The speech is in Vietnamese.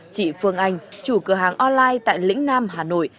chị phương anh chủ cửa hàng online tại lĩnh nam hà nội